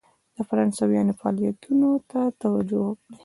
فرانسویانو فعالیتونو ته توجه وکړي.